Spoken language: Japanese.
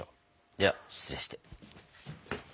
では失礼して。